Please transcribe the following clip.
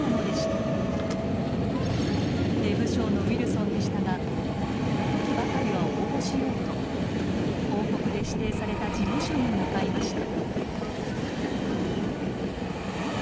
出不精のウィルソンでしたがこの時ばかりは応募しようと広告で指定された事務所に向かいました。